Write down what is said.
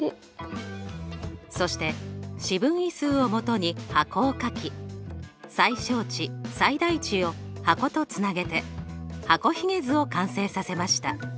そして四分位数を基に箱をかき最小値最大値を箱とつなげて箱ひげ図を完成させました。